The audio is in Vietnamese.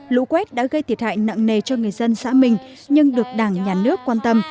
lũ quét đã gây thiệt hại nặng nề cho người dân xã minh nhưng được đảng nhà nước quan tâm